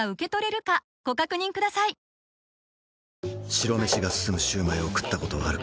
白飯が進むシュウマイを食ったことはあるか？